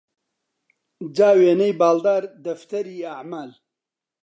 جا وێنەی باڵدار دەفتەری ئەعمال